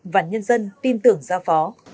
và nhân dân tin tưởng ra phó